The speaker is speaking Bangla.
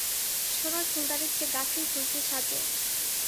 সোনার ফুলদানির চেয়ে গাছেই ফুলকে সাজে।